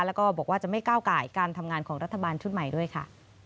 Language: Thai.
แล้วก็บอกว่าจะไม่ก้าวไก่การทำงานของรัฐบาลชุดใหม่ด้วยค่ะ